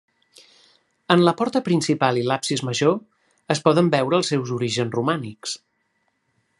En la porta principal i l'absis major es poden veure els seus orígens romànics.